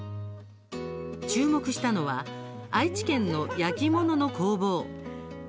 注目したのは愛知県の焼き物の工房。